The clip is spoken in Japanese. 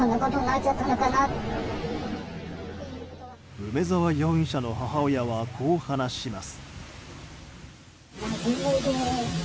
梅沢容疑者の母親はこう話します。